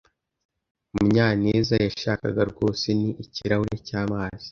Munyanezyashakaga rwose ni ikirahure cyamazi.